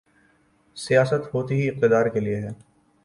سیاست ہوتی ہی اقتدار کے لیے ہے۔